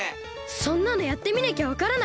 そんなのやってみなきゃわからない！